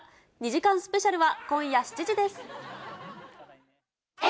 ２時間スペシャルは今夜７時です。